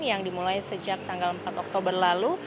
yang dimulai sejak tanggal empat oktober lalu